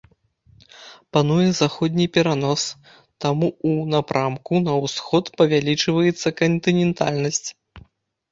Пануе заходні перанос, таму ў напрамку на ўсход павялічваецца кантынентальнасць.